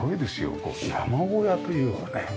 こう山小屋というかね